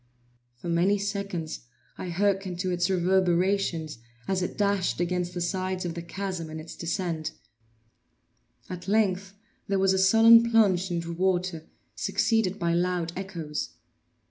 For many seconds I hearkened to its reverberations as it dashed against the sides of the chasm in its descent; at length there was a sullen plunge into water, succeeded by loud echoes.